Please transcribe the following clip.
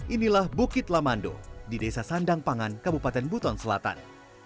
inilah bukit lamando di desa sandang pangan kabupaten buton selatan